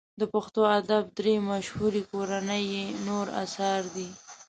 د پښتو ادب درې مشهوري کورنۍ یې نور اثار دي.